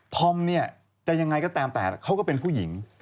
ธอมเนี่ยจะยังไงก็ตามแต่เขาก็เป็นผู้หญิง